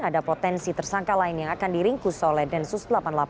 ada potensi tersangka lain yang akan diringkus oleh densus delapan puluh delapan